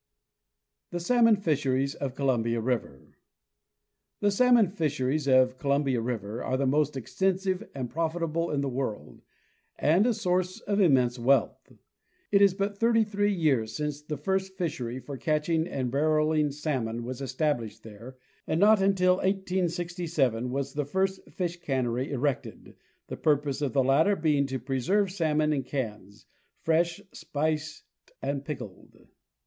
The Salmon Fisheries of Columbia River. The salmon fisheries of Columbia river are the most extensive and profitable in the world, and a source of immense wealth. It is but thirty three years since the first fishery for catching and 280 John H. Mitchell— Oregon barreling salmon was established there, and not until 1867 was the first fish cannery erected, the purpose of the latter being to preserve salmon in cans—fresh, spiced and pickled.